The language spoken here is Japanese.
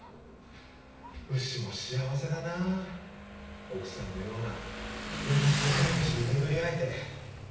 牛も幸せだな奥さんのような優しい飼い主に巡り合えて。